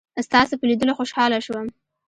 ستاسو په لیدلو خوشحاله شوم.